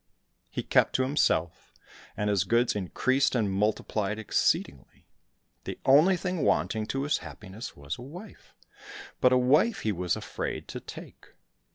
He kept to himself, and his goods increased and multiplied exceedingly ; the only thing wanting to his happiness was a wife, but a wife he was afraid to take.